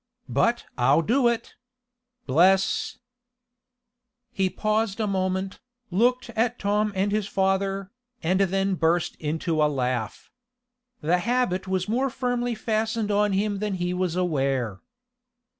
"But I'll do it. Bless " He paused a moment, looked at Tom and his father, and then burst into a laugh. The habit was more firmly fastened on him than he was aware.